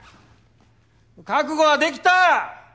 覚悟はできた！